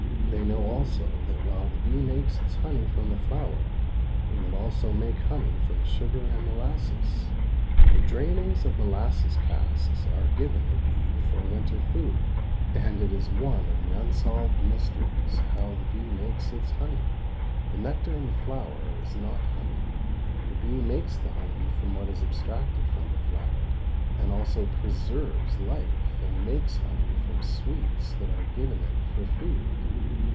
They know also that while the bee makes its honey from the flower, it will also make honey from sugar and molasses. The drainings of molasses casks are given the bee for winter food, and it is one of the unsolved mysteries how the bee makes its honey. The nectar in the flower is not honey. The bee makes the honey from what is abstracted from the flower, and also preserves life and makes honey from sweets that are given it for food.